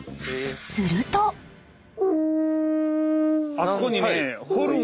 あそこにね。